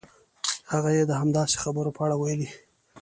هغه یې د همداسې خبرو په اړه ویلي.